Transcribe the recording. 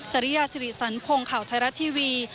จริยาสิริสันพงศ์ข่าวไทยรัฐทีวี